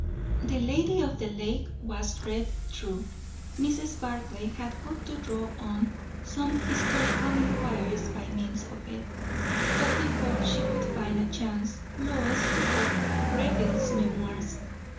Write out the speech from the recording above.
The "Lady of the Lake" was read through. Mrs. Barclay had hoped to draw on some historical inquiries by means of it; but before she could find a chance, Lois took up Greville's Memoirs.